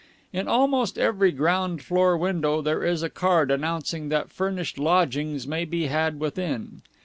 In almost every ground floor window there is a card announcing that furnished lodgings may be had within.